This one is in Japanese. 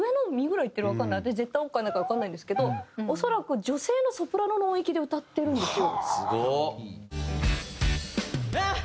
私絶対音感ないからわかんないんですけど恐らく女性のソプラノの音域で歌ってるんですよ。